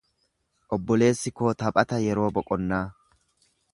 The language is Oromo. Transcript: Obboleessi koo taphata yeroo boqonnaa.